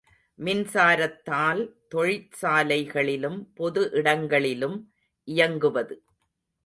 மின்சாரத்தால் தொழிற்சாலைகளிலும், பொது இடங்களிலும் இயங்குவது.